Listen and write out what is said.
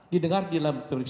didengar di dalam persidangan ini